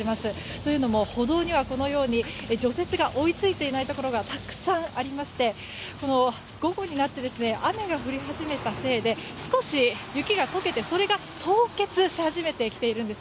というのも、歩道にはこのように除雪が追い付いていないところがたくさんありまして午後になって雨が降り始めたせいで少し雪が解けてそれが凍結し始めてきているんです。